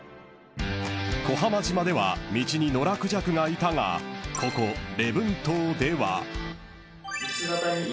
［小浜島では道に野良クジャクがいたがここ礼文島では］